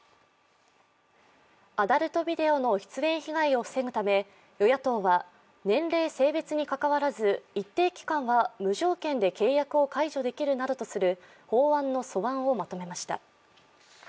アダルトビデオの出演被害を防ぐため、与野党は年齢・性別にかかわらず一定期間は無条件で契約を解除できるなどとする法案の素案をまとめました。